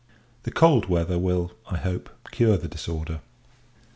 The cold weather will, I hope, cure the disorder.